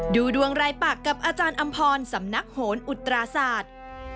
ดูดวงรายปากกับอาจารย์อำพรสำนักโหนอุตราศาสตร์